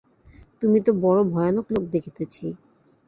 তুমি তো বড়ো ভয়ানক লোক দেখিতেছি।